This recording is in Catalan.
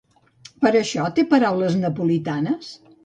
Per això, té paraules napolitanes?